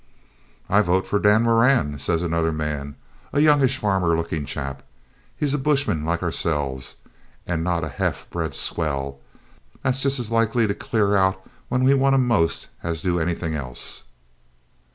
'I vote for Dan Moran,' says another man, a youngish farmer looking chap. 'He's a bushman, like ourselves, and not a half bred swell, that's just as likely to clear out when we want him most as do anything else.'